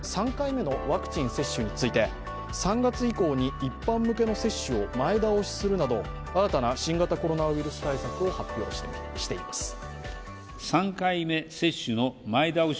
３回目のワクチン接種について、３月以降に一般向けの接種を前倒しするなど新たな新型コロナウイルス対策を発表しています。